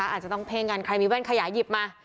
อาจจะต้องเพ่งกันใครมีแว่นขยายหยิบมา